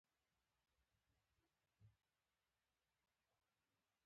ازادي راډیو د د بیان آزادي په اړه د حکومت اقدامات تشریح کړي.